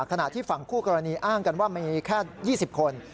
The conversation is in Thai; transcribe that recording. ขณะที่ฝั่งคู่กรณีอ้างกันว่ามีแค่๒๐คน